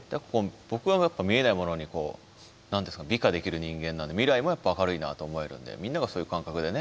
僕はやっぱ見えないものにこう何ですか美化できる人間なんで未来もやっぱ明るいなと思えるんでみんながそういう感覚でね。